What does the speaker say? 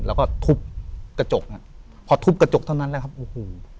แล้วก็ทุบกระจกฮะพอทุบกระจกเท่านั้นแหละครับโอ้โห